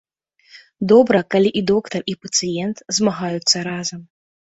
Добра, калі і доктар, і пацыент змагаюцца разам.